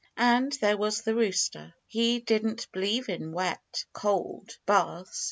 And there was the rooster. He didn't believe in wet, cold baths.